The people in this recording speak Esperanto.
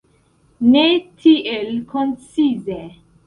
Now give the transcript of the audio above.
Ne tiel koncize.